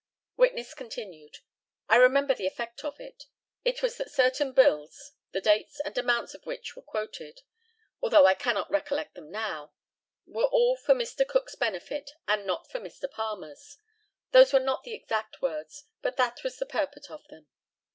] Witness continued: I remember the effect of it it was that certain bills the dates and amounts of which were quoted, although I cannot recollect them now were all for Mr. Cook's benefit and not for Mr. Palmer's. Those were not the exact words, but that was the purport of them.